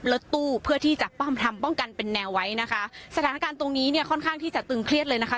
รถตู้เพื่อที่จะป้อมทำป้องกันเป็นแนวไว้นะคะสถานการณ์ตรงนี้เนี่ยค่อนข้างที่จะตึงเครียดเลยนะคะ